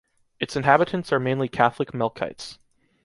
Its inhabitants are mainly Catholic Melchites.